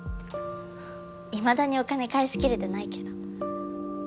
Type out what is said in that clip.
いまだにお金返しきれてないけど。